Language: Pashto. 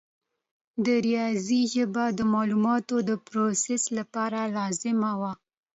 د ریاضي ژبه د معلوماتو د پروسس لپاره لازمه وه.